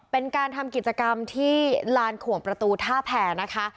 เป็นการทำกิจกรรมที่ลานขวงประตูท่าแผ่นะคะ